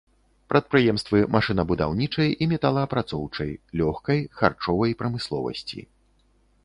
Прадпрыемствы машынабудаўнічай і металаапрацоўчай, лёгкай, харчовай прамысловасці.